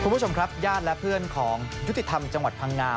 คุณผู้ชมครับญาติและเพื่อนของยุติธรรมจังหวัดพังงา